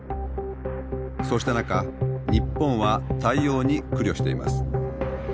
そうした中日本は対応に苦慮しています。